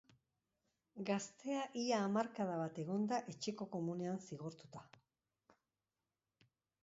Gaztea ia hamarkada bat egon da etxeko komunean zigortuta.